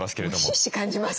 ひしひし感じます。